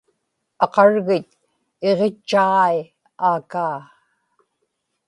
aqargit iġitchaġai aakaa